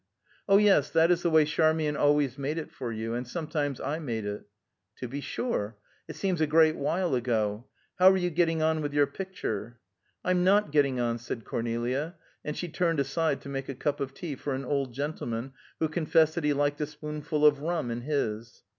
"Oh, yes; that is the way Charmian always made it for you; and sometimes I made it." "To be sure. It seems a great while ago. How are you getting on with your picture?" "I'm not getting on," said Cornelia, and she turned aside to make a cup of tea for an old gentleman, who confessed that he liked a spoonful of rum in his.